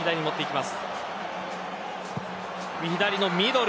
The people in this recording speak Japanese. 左のミドル。